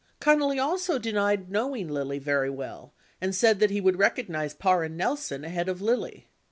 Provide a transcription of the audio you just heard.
5 " Connally also denied knowing Lilly very well and said that he would recognize Parr and Nelson ahead of Lilly.